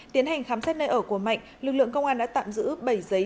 tiến hành khám xét nơi ở của mạnh lực lượng công an đã tạm giữ bảy giấy